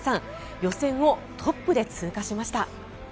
予選をトップで通過しました。